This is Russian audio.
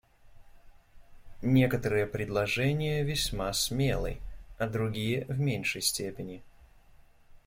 Некоторые предложения весьма смелы, а другие — в меньшей степени.